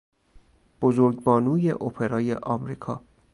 بزرگ بانوی اپرای آمریکا